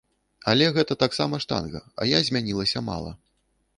Але гэта таксама штанга, а я змянілася мала.